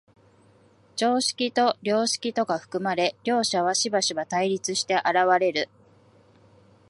常識と良識とが含まれ、両者はしばしば対立して現れる。